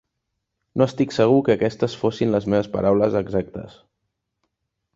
No estic segur que aquestes fossin les meves paraules exactes.